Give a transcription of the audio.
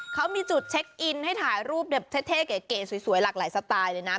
เขามีจุดเช็คอินให้ถ่ายรูปแบบเท่เก๋สวยหลากหลายสไตล์เลยนะ